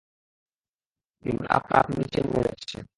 বিমান আপনা-আপনি নিচে নেমে যাচ্ছে!